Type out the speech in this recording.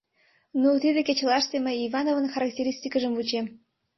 — Ну, тиде кечылаште мый Ивановын характеристикыжым вучем.